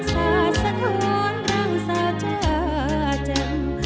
สาดสะท้อนรังสาจาแจ่ม